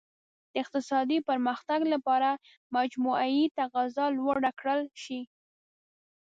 د اقتصادي پرمختګ لپاره مجموعي تقاضا لوړه کړل شي.